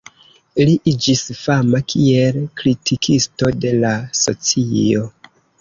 Li iĝis fama kiel kritikisto de la socio.